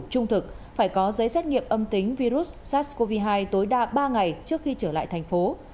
trung thực phải có giấy xét nghiệm âm tính virus sars cov hai tối đa ba ngày trước khi trở lại thành phố